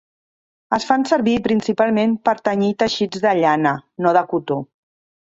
Es fan servir principalment per tenyir teixits de llana, no de cotó.